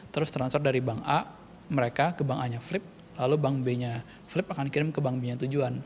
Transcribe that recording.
terus transfer dari bank a mereka ke bank a nya flip lalu bank b nya flip akan kirim ke bank b nya tujuan